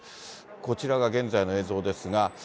こちらが現在の映像ですが。